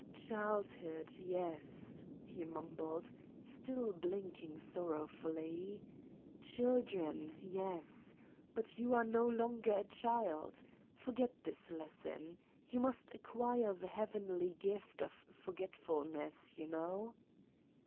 "Childhood, yes" ... he mumbled, still blink ing sorrowfully. '' Children, yes. But you are no longer a child. Forget this lesson. You must ac quire the heavenly gift of forgetfulness, you know.